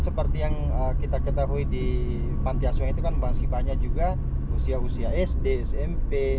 seperti yang kita ketahui di panti asuhan itu kan masih banyak juga usia usia sd smp